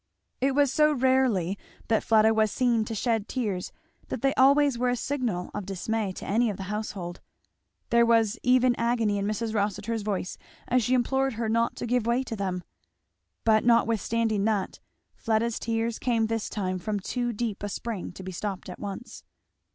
It was so rarely that Fleda was seen to shed tears that they always were a signal of dismay to any of the household. There was even agony in Mrs. Rossitur's voice as she implored her not to give way to them. But notwithstanding that, Fleda's tears came this time from too deep a spring to be stopped at once.